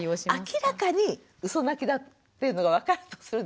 明らかにうそ泣きだっていうのが分かるとするでしょ。